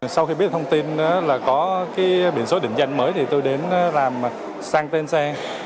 sau khi biết thông tin là có cái biển số định danh mới thì tôi đến làm sang tên xe